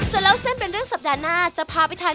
ส่วนเล่าเส้นเป็นเรื่องสัปดาห์หน้าจะพาไปทาน